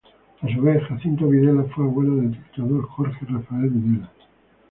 A Su vez, Jacinto Videla fue abuelo del dictador Jorge Rafael Videla.